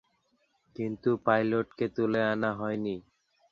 কিন্তু পাইলটকে তুলে আনা হয়নি।